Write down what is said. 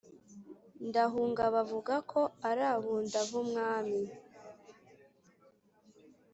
Ntahunga bavugako arabundavumwami